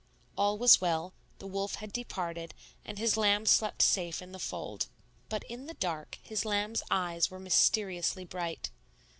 All was well; the wolf had departed, and his lamb slept safe in the fold. But in the dark his lamb's eyes were mysteriously bright.